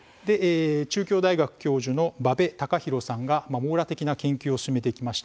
中京大学教授の馬部隆弘さんが網羅的な研究を進めてきました。